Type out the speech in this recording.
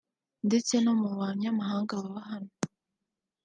ndetse no mu banyamahanga baba hano”